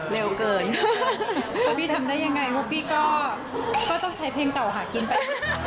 เร็วเกินแล้วพี่ทำได้ยังไงงบพี่ก็ต้องใช้เพลงเก่าหากินไป